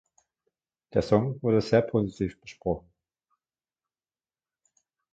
Der Song wurde sehr positiv besprochen.